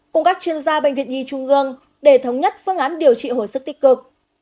cùng các chuyên gia bệnh viện nhi trung ương để thống nhất phương án điều trị hồi sức tích cực